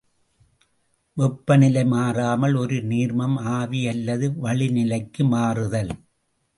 வெப்பநிலை மாறாமல் ஒரு நீர்மம் ஆவி அல்லது வளிநிலைக்கு மாறுதல்.